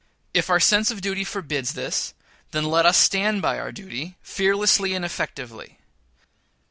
If our sense of duty forbids this, then let us stand by our duty, fearlessly and effectively.